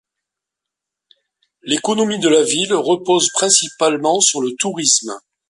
L'économie de la ville repose principalement sur le tourisme.